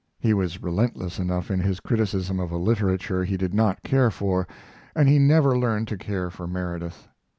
He was relentless enough in his criticism of a literature he did not care for, and he never learned to care for Meredith.